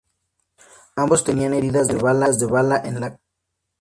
Ambos tenían heridas de bala en la cabeza.